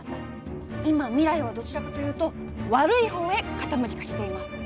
今、未来はどちらかというと、悪いほうへ傾きかけています。